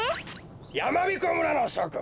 やまびこ村のしょくん